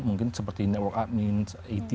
mungkin seperti network admin it nya ataupun eksekutif